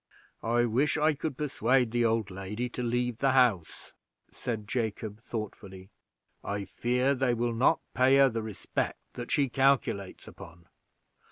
"I wish I could persuade the old lady to leave the house," said Jacob, thoughtfully. "I fear they will not pay her the respect that she calculates upon.